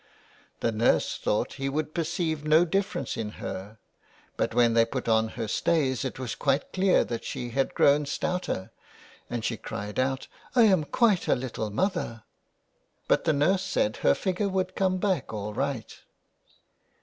The nurse thought he would perceive no difference in her, but when they put on her stays it was quite clear that she had grown stouter, and she cried out, " I'm quite a little mother !" But the nurse said her figure would come back all right.